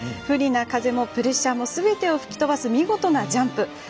不利な風もプレッシャーもすべてを吹き飛ばす見事なジャンプ。